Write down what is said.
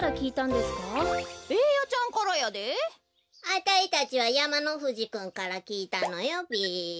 あたいたちはやまのふじくんからきいたのよべ。